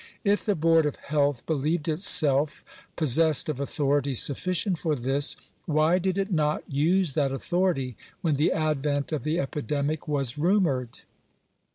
If the Board of Health believed itself possessed of authority sufficient for this, why did it not use that authority when the advent of the epidemic was rumoured